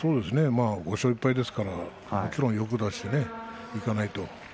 ５勝１敗ですからもちろん欲を出していかないと。